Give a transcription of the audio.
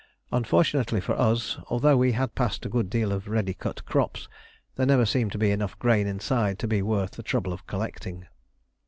Unfortunately for us, although we had passed a good deal of ready cut crops, there never seemed to be enough grain inside to be worth the trouble of collecting.